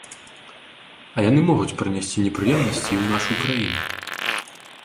А яны могуць прынесці непрыемнасці і ў нашу краіну.